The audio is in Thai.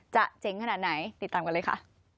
เจ๋งขนาดไหนติดตามกันเลยค่ะ